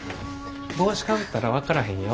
帽子かぶったら分からへんよ。